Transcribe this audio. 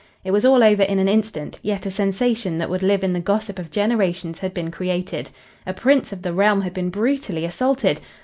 It was all over in an instant, yet a sensation that would live in the gossip of generations had been created. A Prince of the realm had been brutally assaulted!